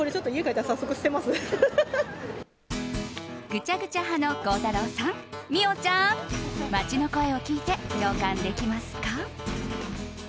ぐちゃぐちゃ派の孝太郎さん、美桜ちゃん街の声を聞いて共感できますか？